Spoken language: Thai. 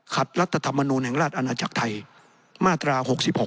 รัฐธรรมนูลแห่งราชอาณาจักรไทยมาตรา๖๖